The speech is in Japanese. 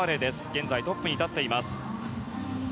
現在トップに立っています。